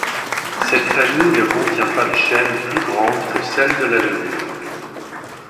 Cette famille ne contient pas de chaines plus grandes que celle de la levure.